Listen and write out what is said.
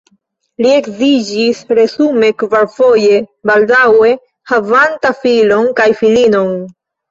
Li edziĝis resume kvarfoje, baldaŭe havanta filon kaj filinon.